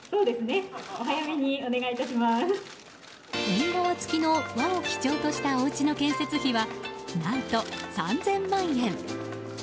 縁側つきの和を基調としたおうちの建設費は何と３０００万円。